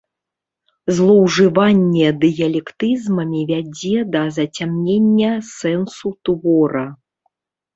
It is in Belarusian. Злоўжыванне дыялектызмамі вядзе да зацямнення сэнсу твора.